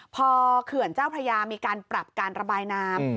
พอเขื่อนเจ้าพระยามีการปรับการระบายน้ำ